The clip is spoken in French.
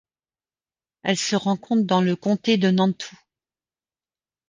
Elle se rencontre dans le comté de Nantou.